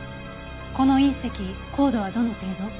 この隕石硬度はどの程度？